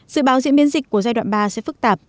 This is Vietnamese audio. dự báo diễn biến dịch của giai đoạn ba sẽ phức tạp